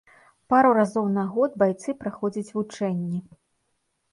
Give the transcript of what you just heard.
Пару разоў на год байцы праходзяць вучэнні.